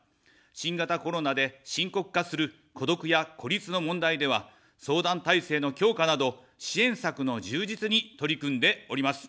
新型コロナで深刻化する孤独や孤立の問題では、相談体制の強化など、支援策の充実に取り組んでおります。